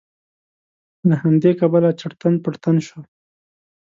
له همدې کبله چړتن پړتن شو.